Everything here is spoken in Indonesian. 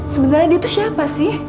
sebenernya dia tuh siapa sih